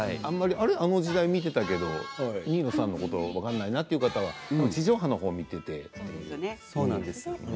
あの時代見ていたけど新納さんのことを知らないなという方は地上波の方を見ていたということですね。